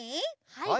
はい。